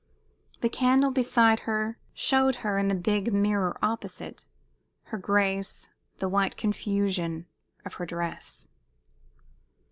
The candle beside her showed her, in the big mirror opposite, her grace, the white confusion of her dress.